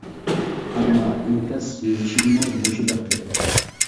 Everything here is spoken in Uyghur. ئەمما ئىنكاس يېزىشىممۇ مۇشۇ بىر قېتىم.